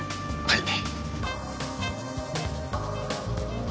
はい。